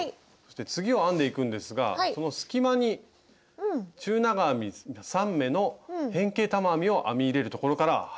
次を編んでいくんですがその隙間に中長編み３目の変形玉編みを編み入れるところから始めていきましょう。